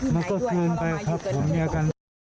มันก็คืนไปครับผมเงียบกัน